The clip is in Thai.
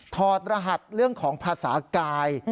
ถอดรหัสเรื่องของภาษากาย